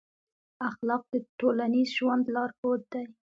اخلاق د ټولنیز ژوند لارښود دی.